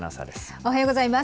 おはようございます。